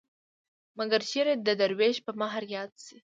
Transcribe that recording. مګر چېرې د دروېش په مهر ياد شي.